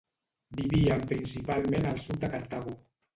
Vivien principalment al sud de Cartago.